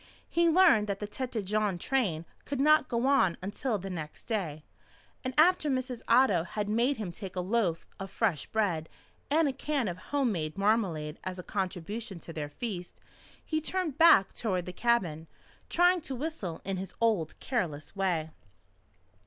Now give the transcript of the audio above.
He learned that the Tête Jaune train could not go on until the next day, and after Mrs. Otto had made him take a loaf of fresh bread and a can of home made marmalade as a contribution to their feast, he turned back toward the cabin, trying to whistle in his old careless way.